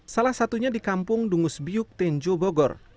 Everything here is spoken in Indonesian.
salah satunya di kampung dungus biuk tenjo bogor